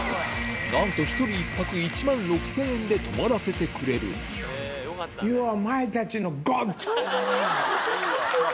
なんと１人１泊１万６０００円で泊まらせてくれる本当に？